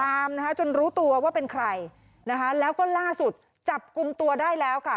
ตามนะคะจนรู้ตัวว่าเป็นใครนะคะแล้วก็ล่าสุดจับกลุ่มตัวได้แล้วค่ะ